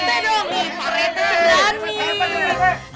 tidak parete dong